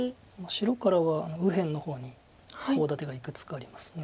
白からは右辺の方にコウ立てがいくつかあります。